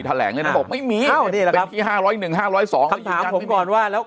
ฐาแหลงเลยบอกไม่มีห้าร้อยหนึ่งห้าร้อยสองผมก่อนว่าแล้ว